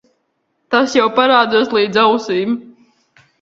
Tas jau parādos līdz ausīm.